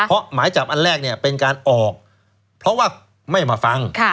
เพราะหมายจับอันแรกเนี่ยเป็นการออกเพราะว่าไม่มาฟัง